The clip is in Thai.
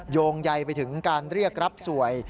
โยงใยไปถึงการเรียกรับสวย